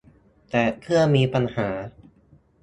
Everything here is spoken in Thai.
แต่เครื่องมีปัญหา